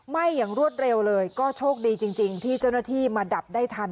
ไหม้อย่างรวดเร็วเลยก็โชคดีจริงที่เจ้าหน้าที่มาดับได้ทัน